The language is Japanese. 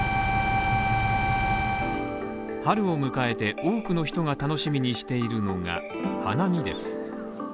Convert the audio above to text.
春を迎えて多くの人が楽しみにしているのが花見です。